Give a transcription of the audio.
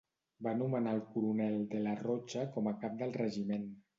Va nomenar al coronel De la Rocha com a cap del regiment.